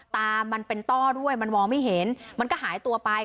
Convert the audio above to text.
ตามันเป็นต้อด้วยมันมองไม่เห็นมันก็หายตัวไป